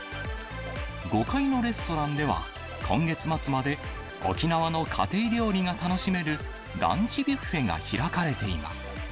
５階のレストランでは、今月末まで、沖縄の家庭料理が楽しめるランチビュッフェが開かれています。